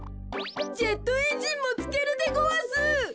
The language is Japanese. ジェットエンジンもつけるでごわす。